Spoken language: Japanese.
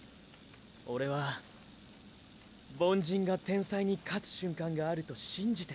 オレは凡人が天才に勝つ瞬間があると信じてんだ。